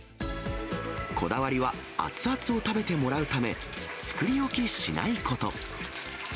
こだわりは熱々を食べてもらうため、作り置きしないこと。